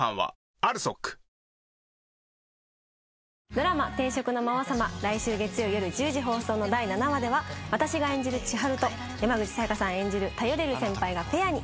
ドラマ『転職の魔王様』来週月曜夜１０時放送の第７話では私が演じる千晴と山口紗弥加さん演じる頼れる先輩がペアに。